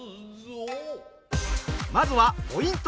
まずはポイント